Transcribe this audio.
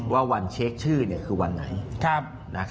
ว่าวันเช็คชื่อคือวันไหน